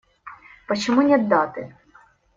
Почему нет даты?